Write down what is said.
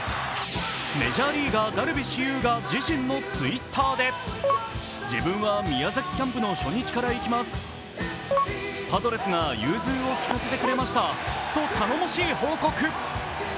メジャーリーガー、ダルビッシュ有が自身のＴｗｉｔｔｅｒで、自分は宮崎キャンプの初日から行きます、パドレスが融通をきかせてくれましたと頼もしい報告。